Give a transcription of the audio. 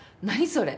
それ。